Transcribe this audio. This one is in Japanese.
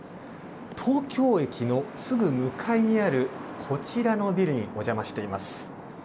東京駅のすぐ向かいにあるこちらのビルにお邪魔しています。